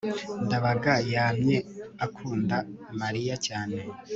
ndabaga yamye akunda mariya cyane